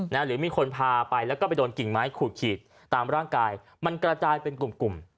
หรือมีคนพาไปแล้วก็ไปโดนกิ่งไม้ขูดขีดตามร่างกายมันกระจายเป็นกลุ่มกลุ่ม